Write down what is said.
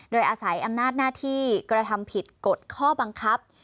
โดยอาศัยอำนาจหน้าที่กระทำผิดกฎข้อบังคับ